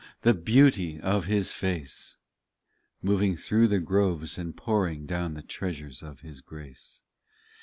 the beauty of His face ! Moving through the groves, and pouring Down the treasures of His grace.